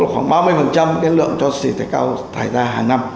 khoảng ba mươi cái lượng cho xỉ thải cao thải ra hàng năm